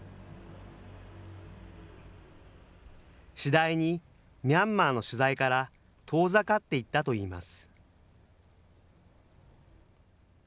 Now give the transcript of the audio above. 次第にミャンマーの取材から遠ざかっていったといいます。